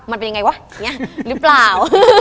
มันเป็นยังไงวะหรือเปล่า